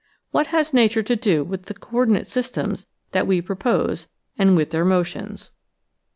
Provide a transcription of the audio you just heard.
What has nature to do with the coordinate systems that we propose and with their mo tions?